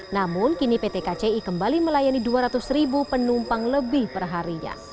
namun kini pt kci kembali melayani dua ratus ribu penumpang lebih perharinya